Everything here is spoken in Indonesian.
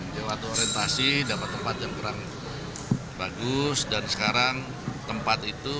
lewat orientasi dapat tempat yang kurang bagus dan sekarang tempat itu